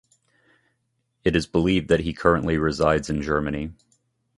It is believed that he currently resides in Germany.